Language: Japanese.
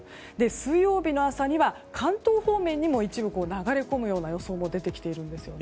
水曜日の朝には関東方面にも一部流れ込むような予想も出てきているんです。